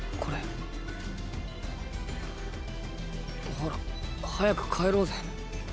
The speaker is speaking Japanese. ほら早く帰ろうぜ。